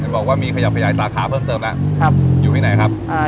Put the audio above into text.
บอกว่ามีขยับขยายสาขาเพิ่มเติมแล้วอยู่ที่ไหนครับ